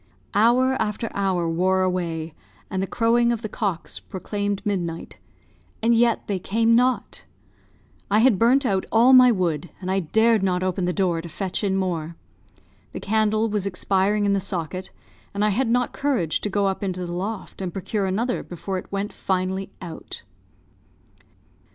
Hour after hour wore away, and the crowing of the cocks proclaimed midnight, and yet they came not. I had burnt out all my wood, and I dared not open the door to fetch in more. The candle was expiring in the socket, and I had not courage to go up into the loft and procure another before it went finally out.